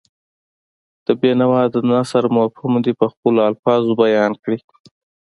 د بېنوا د نثر مفهوم دې په خپلو الفاظو بیان کړي.